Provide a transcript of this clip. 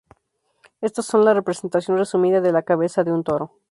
Estos son la representación resumida de la cabeza de un toro.